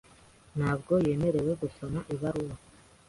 Ntabwo yanyemereye gusoma ibaruwa.